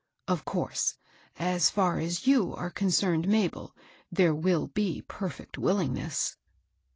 Of course, as far as you are concerned, Mabel, there will be perfect willingness."